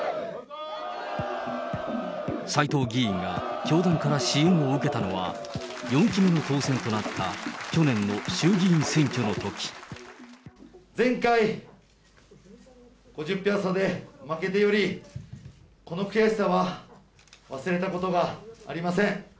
斎藤議員が教団から支援を受けたのは４期目の当選となった去前回５０票差で負けており、この悔しさは忘れたことがありません。